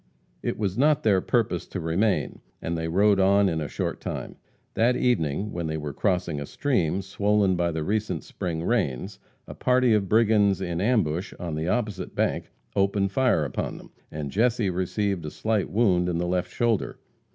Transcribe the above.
It was not their purpose to remain, and they rode on in a short time. That evening, when they were crossing a stream, swollen by the recent spring rains, a party of brigands in ambush on the opposite bank opened fire upon them, and Jesse received a slight wound in the left shoulder.